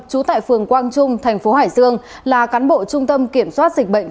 trú tại phường quang trung thành phố hải dương là cán bộ trung tâm kiểm soát dịch bệnh